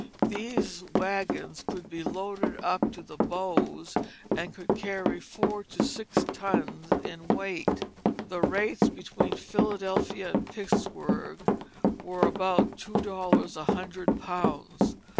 These wagons could be loaded up to the bows, and could carry four to six tons in weight. The rates between Philadelphia and Pittsburgh were about two dollars a hundred pounds.